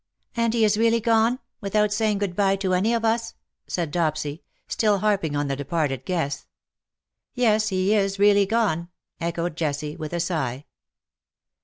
''" And he is really gone — without saying good by to any of us,'' said Dopsy, still harping on the departed guest. " Yes, he is really gone," echoed Jessie, with a sigh.